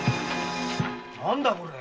何だこれは？